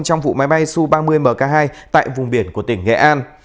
trong vụ máy bay su ba mươi mk hai tại vùng biển của tỉnh nghệ an